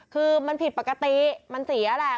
คือมันผิดปกติมันเสียแหละ